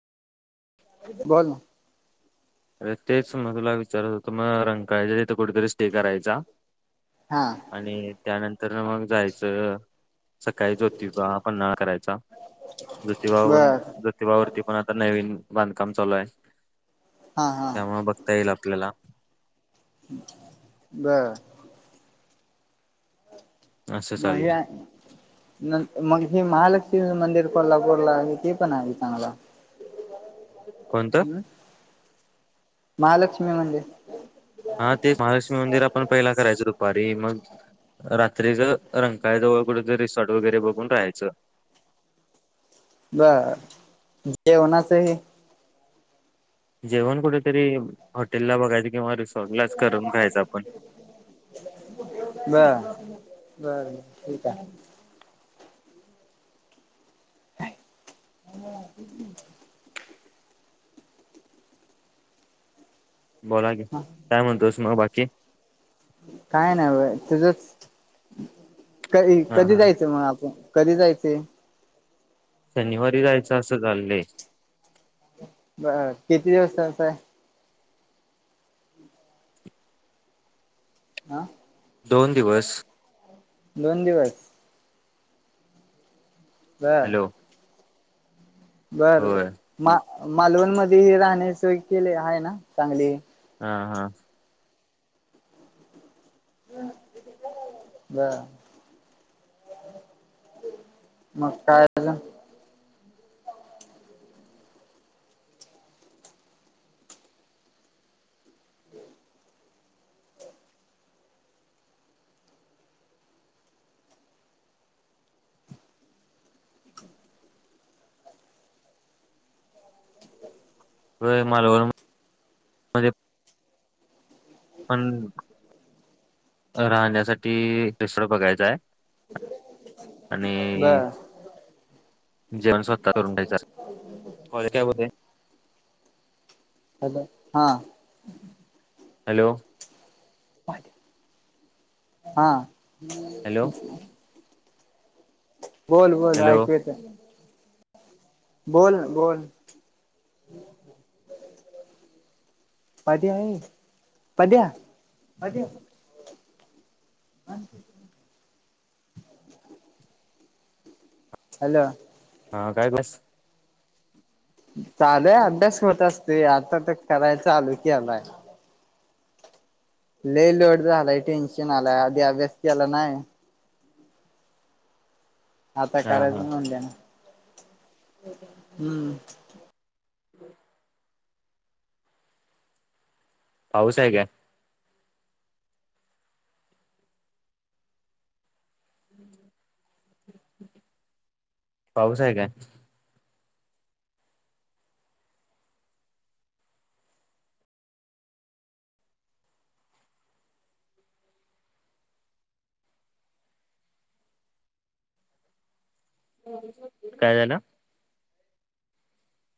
बजल अरे तेच मग तुला विचारत होत मग रंकायच तिथे कुठेतरी स्टे करायचा हा आणि त्यानंतर मग जायचं सकाळीचोती का पन््हाळा करायचा ज्योतिबा पण बर ज्योतिबावरती पण आता नवीन बांधकाम चालू आहे हा हा त्यामुळे बघता येईल आपल्याला ब असं मग चाललंय हे मग हे महालक्ष्मी मंदिर कोल्हापूरला आहे ते पण आहे चांगला कोणतं हम्म महालक्ष्मी म्हणजे हा ते महालक्ष्मी मंदिर आपण पहिला करायचं दुपारी मग रात्रीच रंकायजवळ कुठ रिसॉर्ट वगैरे बघून राहायचं बर ज होना सही जेवण कुठेतरी हॉटेल ला बघायच. [unintelligible] ते काय? [unintelligible] बोला गे काय म्हणतोस मग बाकी काय नाही बा तुझ क हा कधी हा जायचं मग आपण कधी जायचे. शनिवारी जायचं असं झालले. ब किती दिवसच आहे. हा. दोन दिवस दोन दिवस. हा. हॅलो बर होय मा मालवण म हे राहणे सोय केले आहे ना चांगली हा हा. [unintelligible] म कायज व मला पण राहण्यासाठी रेस्टोरं बघायचाय. आणि बर जेवण स्वतः करून ठ्यायचं कॉले काय हॅलो हा. हॅलो. हा. हॅलो बोल बोल हॅलो ऐकू येत. बोल ना बोल. [unintelligible] पध्या पध्या पध्या हॅलो. हा काय क्लास चालेय अभ्यास होत असते आता तर कराय चालू की आलाय. ल लोड झालाय टेन्शन आलाय आधी अभ्यास केला नाही. आता हा करायचं हा म्हून देण हम्म. हम्. पाऊस आहे काय? पाऊस आहे काय? काय झालं?